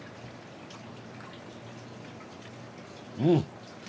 うん。